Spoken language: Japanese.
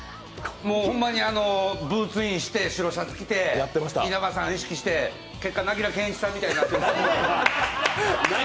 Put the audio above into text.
もうホンマにブーツインして白シャツ着て稲葉さん意識して、結果、なぎら健壱さんみたいになってる。